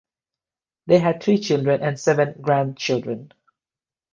They had three children and seven grandchildren.